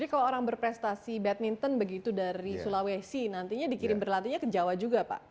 jadi kalau orang berprestasi badminton begitu dari sulawesi nantinya dikirim berlatihnya ke jawa juga pak